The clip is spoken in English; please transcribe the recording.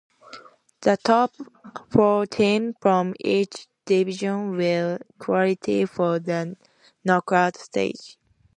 The top four teams from each division will qualify for the knockout stage.